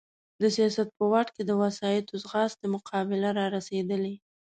د سیاست په واټ کې د وسایطو ځغاستې مقابله را رسېدلې.